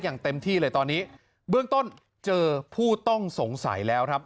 อย่างเต็มที่เลยตอนนี้เบื้องต้นเจอผู้ต้องสงสัยแล้วครับ